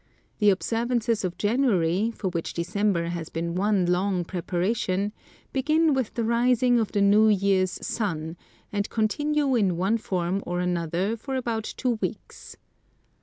The observances of January, for which December has been one long preparation, begin with the rising of the New Year's sun, and continue in one form or another for about two weeks.